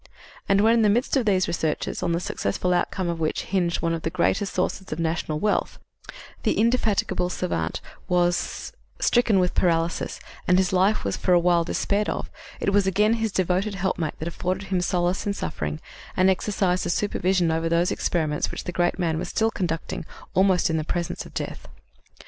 And, when in the midst of these researches, on the successful outcome of which hinged one of the greatest sources of national wealth, the indefatigable savant was stricken with paralysis and his life was for a while despaired of, it was again his devoted helpmate that afforded him solace in suffering and exercised a supervision over those experiments which the great man was still conducting almost in the presence of death.